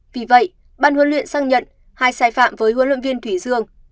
vì vậy ban huấn luyện xác nhận hai sai phạm với huấn luyện viên thủy dương